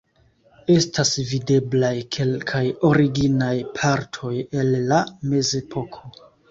Estas videblaj kelkaj originaj partoj el la mezepoko.